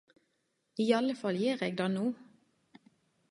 Iallefall gjer eg det no.